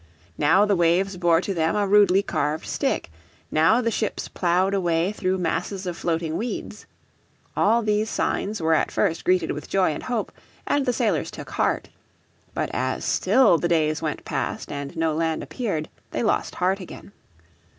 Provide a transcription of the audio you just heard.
Now the waves bore to them a rudely carved stick, now the ships ploughed a way through masses of floating weeds. All these signs were at first greeted with joy and hope, and the sailors took heart. But as still the days went past and no land appeared, they lost heart again.